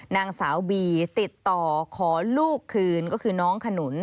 นางสาวบีติดต่อขอลูกคืนก็คือน้องขนุน